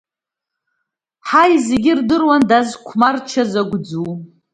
Ҳаи, зегьы ирдыруанда Қәмарча закә ӡу!